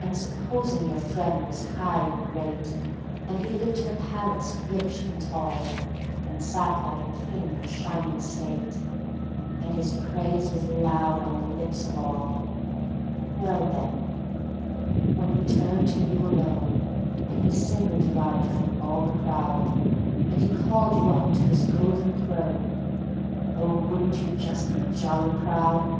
And supposing your friend was high and great, And he lived in a palace rich and tall, And sat like a King in shining state, And his praise was loud on the lips of all; Well then, when he turned to you alone, And he singled you out from all the crowd, And he called you up to his golden throne, Oh, wouldn't you just be jolly proud?